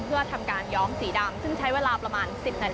เพื่อทำการย้อมสีดำซึ่งใช้เวลาประมาณ๑๐นาที